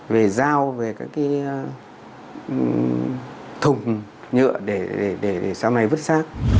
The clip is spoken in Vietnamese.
về giao về các cái thùng nhựa để sau này vứt sát